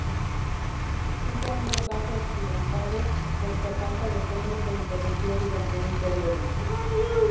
Tuvo un rodaje accidentado pues por falta de fondos se interrumpió durante un período.